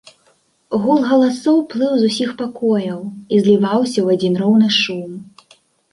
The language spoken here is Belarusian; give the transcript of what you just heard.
Гул галасоў плыў з усіх пакояў і зліваўся ў адзін роўны шум.